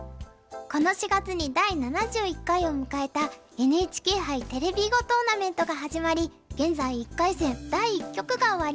この４月に第７１回を迎えた「ＮＨＫ杯テレビ囲碁トーナメント」が始まり現在１回戦第１局が終わりました。